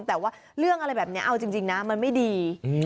แต่ว่าเรื่องอะไรแบบนี้เอาจริงนะมันไม่ดี